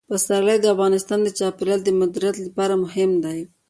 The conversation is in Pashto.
پسرلی د افغانستان د چاپیریال د مدیریت لپاره مهم دي.